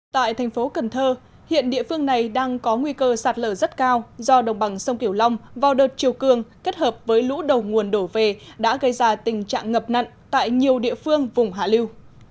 tại thành phố cần thơ hiện địa phương này đang có nguy cơ sạt lở rất cao do đồng bằng sông kiểu long vào đợt chiều cường kết hợp với lũ đầu nguồn đổ về đã gây ra tình trạng ngập nặng tại nhiều địa phương vùng hạ liêu